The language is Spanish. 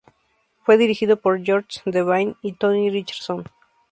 Fue dirigido por George Devine y Tony Richardson.